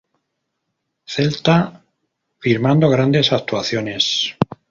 Celta, firmando grandes actuaciones.